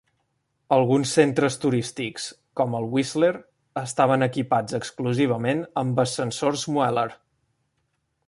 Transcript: Alguns centres turístics, com el Whistler, estaven equipats exclusivament amb ascensors Mueller.